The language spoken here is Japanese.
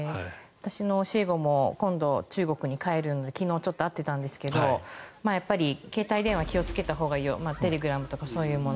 私の教え子も今度、中国に帰るので昨日ちょっと会っていたんですが携帯電話を気をつけたほうがいいよテレグラムとかそういうもの。